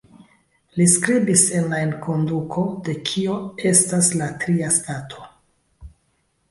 Li skribis en la enkonduko de "Kio estas la Tria Stato?